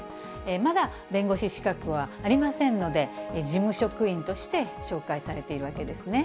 まだ弁護士資格はありませんので、事務職員として紹介されているわけですね。